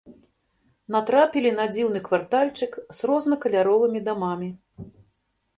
Натрапілі на дзіўны квартальчык з рознакаляровымі дамамі.